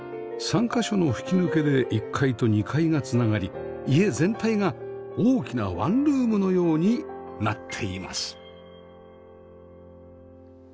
３カ所の吹き抜けで１階と２階が繋がり家全体が大きなワンルームのようになっています